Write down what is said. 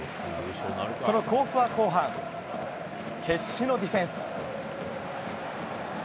その甲府は後半、決死のディフェンス。